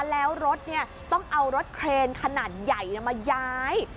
แล้วรถต้องเอารถเครนขนาดใหญ่มาย้าย